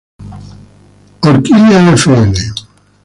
Orchid Fl.